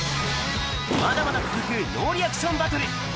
まだまだ続くノーリアクションバトル。